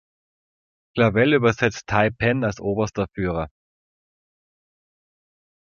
Clavell übersetzt Tai-Pan als „Oberster Führer“.